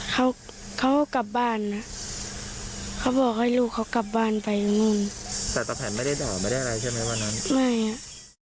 เขาเขากลับบ้านนะเขาบอกให้ลูกเขากลับบ้านไปนู่นแต่ตะแผนไม่ได้ด่าไม่ได้อะไรใช่ไหมวันนั้นไม่อ่ะ